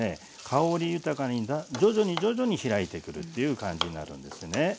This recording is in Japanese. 香り豊かに徐々に徐々にひらいてくるっていう感じになるんですね。